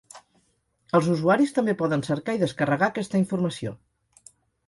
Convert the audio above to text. Els usuaris també poden cercar i descarregar aquesta informació.